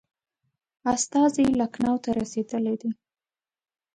استازی لکنهو ته رسېدلی دی.